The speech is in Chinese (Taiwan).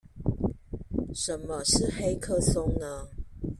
什麼是黑客松呢？